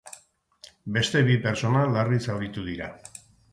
Beste bi pertsona larri zauritu dira.